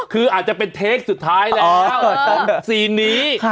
คืออาจจะเป็นเทปสุดท้ายแหละครับก่อนเทปสิ้นนี้ค่ะ